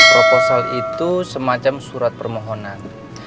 proposal itu semacam surat permohonan